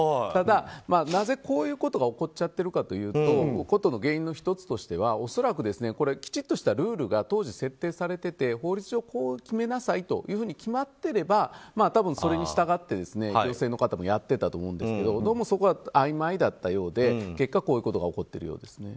ただ、なぜこういうことが起こっちゃってるかというとことの原因の１つとしては恐らく、きちっとしたルールが当時設定されていて法律上、こう決めなさいと決まっていれば、それに従って行政の方もやってたと思うんですけどどうもそこがあいまいで結果こういうことが起こっているようです。